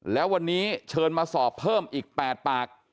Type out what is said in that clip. แล้ววันนี้เชิญมาสอบเพิ่มอีก๘ปาก